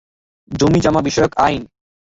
জমিজমা বিষয়ক আইন?